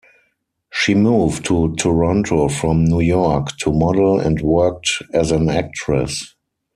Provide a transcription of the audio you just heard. She moved to Toronto from New York to model and worked as an actress.